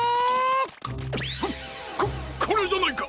ハッここれじゃないか！？